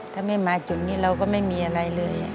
ถ้าไม่มาจุดนี้เราก็ไม่มีอะไรเลย